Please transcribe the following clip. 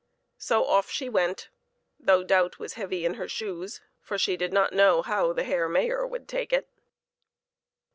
So off she went, though doubt was heavy in her shoes, for she did not know how the Herr Mayor would take it.